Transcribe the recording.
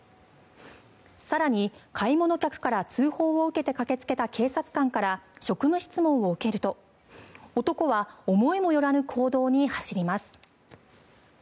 更に、買い物客から通報を受けて駆けつけた警察官から職務質問を受けると男は思いもよらぬ行動に走ります。